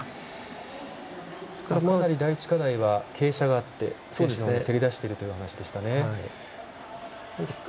この辺り第１課題は傾斜があってせり出しているというお話でした。